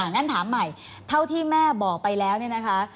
งั้นถามใหม่เท่าที่แม่บอกไปแล้วเนี่ยนะคะ